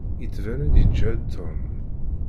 Yettban-d yeǧhed Tom.